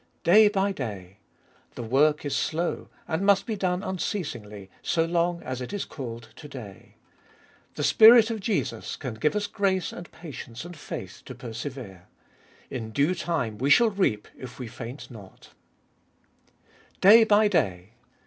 Day by day. The work is slow, and must be done unceasingly, "so long as it is called To day." The Spirit of Jesus can give us grace and patience and faith to persevere. " In due time we shall reap if we faint not" fbolfest of Bll 133 Day by day.